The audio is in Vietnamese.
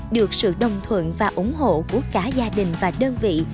được sự đồng thuận và ủng hộ của cả gia đình và đơn vị